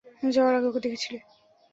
যাওয়ার আগে ওকে দেখেছিলি?